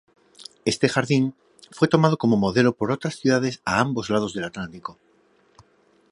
Este jardín fue tomado como modelo por otras ciudades a ambos lados del Atlántico.